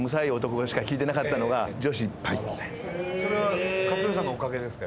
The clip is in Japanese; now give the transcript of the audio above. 急に今までそれは克典さんのおかげですか？